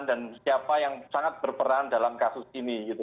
dan siapa yang sangat berperan dalam kasus ini gitu lho